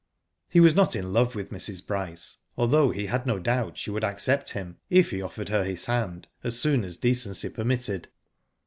He was not in love with Mrs. Bryce, al though he had no doubt she would accept him if he offered her his hand, as soon as decency permitted.